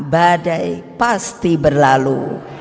badai pasti berlalu